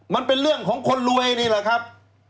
มันเป็นเรื่องของคนรวยนี่แหละครับ